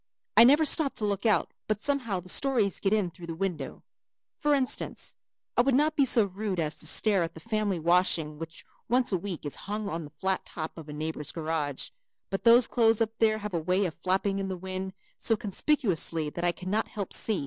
I never stop to look out but somehow the stories get in through the window. For instance, I would not be so rude as to stare at the family washing which once a week is hung on the flat top of a neighbor's garage, but those clothes up there have a way of flapping in the wind so conspicuously that I cannot help see.